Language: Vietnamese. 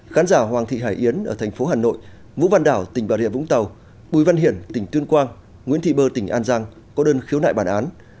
khán giả hoàng thị hải yến ở thành phố hà nội vũ văn đảo tỉnh bà rịa vũng tàu bùi văn hiển tỉnh tuyên quang nguyễn thị bơ tỉnh an giang có đơn khiếu nại bản án